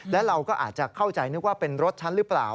และเราก็อาจจะเข้าใจนึกว่าเป็นรถฉันหรือเปล่า